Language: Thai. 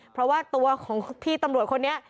เพราะว่าตัวของพี่ตำรวจคนนี้